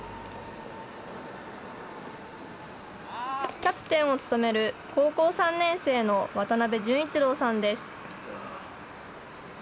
キャプテンを務める高校３年生の渡部順一朗さんです。